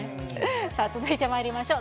続いてまいりましょう。